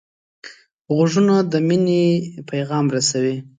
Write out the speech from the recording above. غوږونه د مینې پیغام رسوي